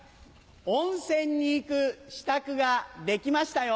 温泉に行く支度ができましたよ。